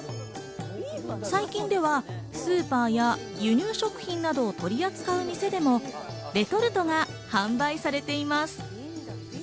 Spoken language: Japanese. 最近ではスーパーや輸入食品などを取り扱う店でもレトルトが販売されています。